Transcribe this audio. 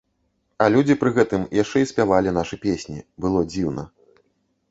А людзі пры гэтым яшчэ і спявалі нашы песні, было дзіўна.